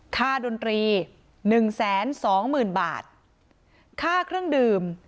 ดนตรีหนึ่งแสนสองหมื่นบาทค่าเครื่องดื่ม